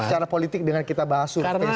secara politik dengan kita bahas survei